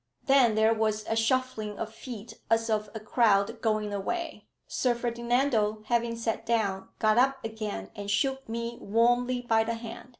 Then there was a shuffling of feet as of a crowd going away. Sir Ferdinando having sat down, got up again and shook me warmly by the hand.